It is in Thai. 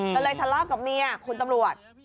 ก็เลยทะเลาะกับเมียคุณตำรวจ